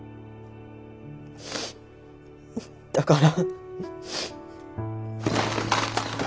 だから。